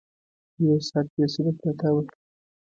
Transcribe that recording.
یو ساعت بې سده پرته وه.